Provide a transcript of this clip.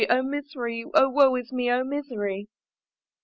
oh misery! "Oh woe is me! oh misery!"